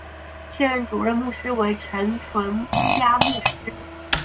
现任主任牧师为陈淳佳牧师。